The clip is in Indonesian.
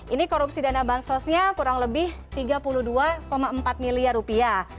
ini korupsi dana bank sauce nya kurang lebih tiga puluh dua empat miliar rupiah